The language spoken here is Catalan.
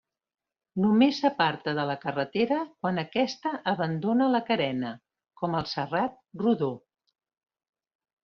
Només s'aparta de la carretera quan aquesta abandona la carena, com al Serrat Rodó.